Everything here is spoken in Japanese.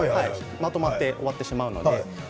まとまって終わってしまいます。